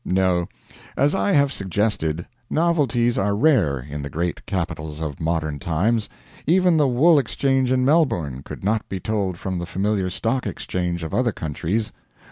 No, as I have suggested, novelties are rare in the great capitals of modern times. Even the wool exchange in Melbourne could not be told from the familiar stock exchange of other countries.